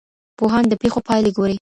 پوهان د پېښو پايلې ګوري.